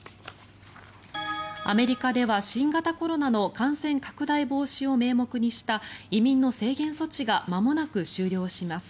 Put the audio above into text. アメリカでは新型コロナの感染拡大防止を名目にした移民の制限措置がまもなく終了します。